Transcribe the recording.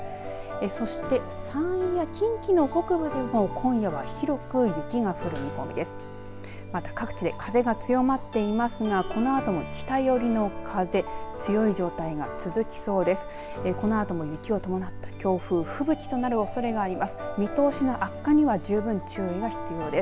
そして、山陰や近畿の北部でも今夜は広く雪が降る見込みです。